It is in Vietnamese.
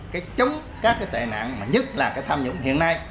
cái chống các cái tệ nạn mà nhất là cái tham nhũng hiện nay